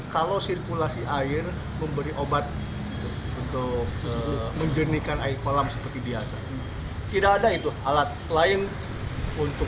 kalau sirkulasi air memberi obat untuk menjernihkan air kolam seperti biasa tidak ada itu alat lain untuk